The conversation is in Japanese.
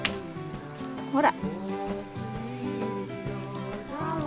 ほら！